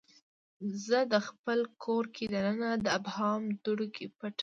زه پخپل کور کې دننه د ابهام دوړو کې پټه